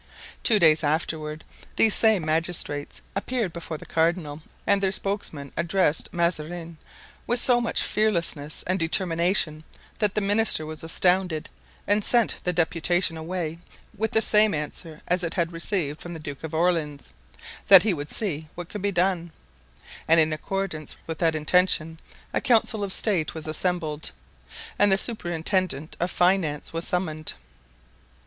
Two days afterward these same magistrates appeared before the cardinal and their spokesman addressed Mazarin with so much fearlessness and determination that the minister was astounded and sent the deputation away with the same answer as it had received from the Duke of Orleans—that he would see what could be done; and in accordance with that intention a council of state was assembled and the superintendent of finance was summoned.